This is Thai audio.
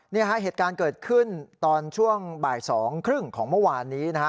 เนี่ยให้เหตุการณ์เกิดขึ้นตอนช่วงบ่ายสองครึ่งของเมื่อวานนี้นะฮะ